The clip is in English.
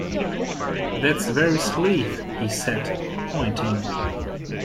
"That very sleeve," he said, pointing.